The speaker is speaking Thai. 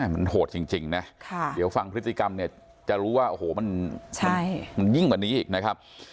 มันโหดจริงนะเดี๋ยวฟังพฤติกรรมเนี่ยจะรู้ว่าโอ้โหมันยิ่งกว่านี้อีกนะครับ